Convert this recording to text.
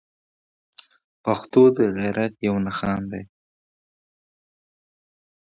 پښتون د غيرت يو نښان دی.